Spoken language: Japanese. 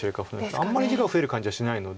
あんまり地が増える感じはしないので。